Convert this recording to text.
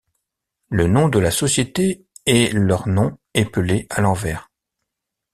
Le nom de la société est leur nom épelé à l'envers.